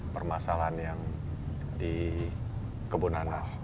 permasalahan yang di kebonanas